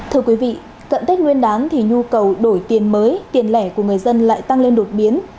thưa quý vị cận tết nguyên đán thì nhu cầu đổi tiền mới tiền lẻ của người dân lại tăng lên đột biến